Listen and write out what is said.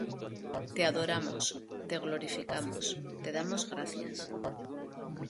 te adoramos, te glorificamos, te damos gracias,